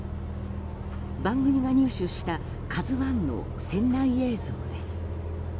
番組が入手した「ＫＡＺＵ１」の船内映像です。